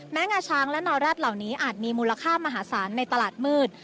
งาช้างและนอแร็ดเหล่านี้อาจมีมูลค่ามหาศาลในตลาดมืด